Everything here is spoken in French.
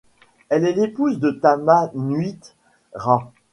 Elle est l'épouse de Tama-nui-te-rā.